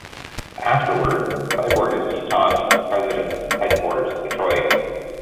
Afterwards, Cyborg is seen talking with the President in his headquarters in Detroit.